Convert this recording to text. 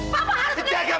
papa harusnya diam